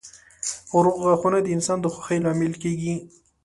روغ غاښونه د انسان د خوښۍ لامل کېږي.